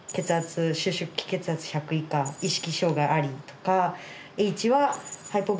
収縮時血圧１００以下意識障害ありとか。